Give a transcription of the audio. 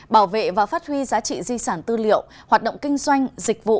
bảo vệ và phát huy giá trị di sản tư liệu hoạt động kinh doanh dịch vụ